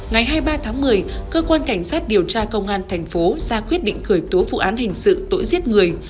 ngày hai mươi ba tháng một mươi cơ quan cảnh sát điều tra công an thành phố ra quyết định khởi tố vụ án hình sự tội giết người